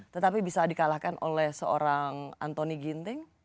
tetapi bisa dikalahkan oleh seorang antoni ginting